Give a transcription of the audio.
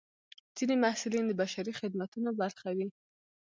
ځینې محصلین د بشري خدمتونو برخه وي.